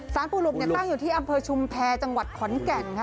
ปู่หลุบตั้งอยู่ที่อำเภอชุมแพรจังหวัดขอนแก่นค่ะ